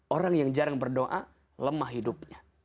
orang yang jarang berdoa lemah hidupnya